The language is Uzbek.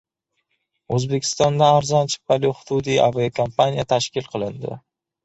O‘zbekistonda arzon chiptali hududiy aviakompaniya tashkil qilindi